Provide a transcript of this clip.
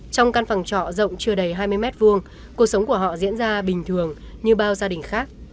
trong căn phòng trọ rộng chưa đầy hai mươi m hai cuộc sống của họ diễn ra bình thường như bao gia đình khác